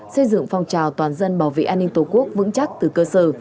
xây dựng phong trào toàn dân bảo vệ an ninh tổ quốc vững chắc từ cơ sở